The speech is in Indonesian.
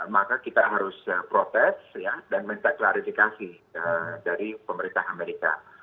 maka kita harus protes dan minta klarifikasi dari pemerintah amerika